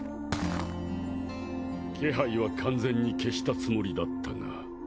気配は完全に消したつもりだったが。